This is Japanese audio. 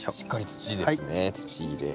土です。